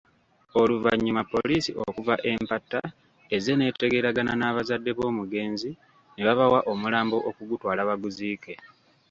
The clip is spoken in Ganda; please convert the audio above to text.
Oluvannyuma poliisi okuva e Mpatta ezze n'etegeeragana n'abazadde b'omugenzi nebabawa omulambo okugutwala baguziike.